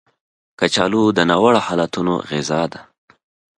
کچالو د ناوړه حالتونو غذا ده